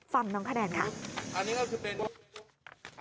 ฟังน้องคะแดนค่ะ